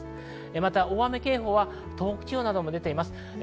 また大雨警報は東北地方などにも出ています。